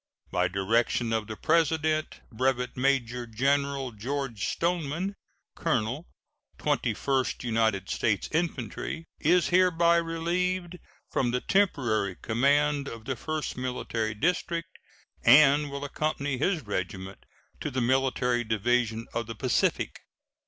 By direction of the President, Brevet Major General George Stoneman, colonel Twenty first United States Infantry, is hereby relieved from the temporary command of the First Military District, and will accompany his regiment to the Military Division of the Pacific.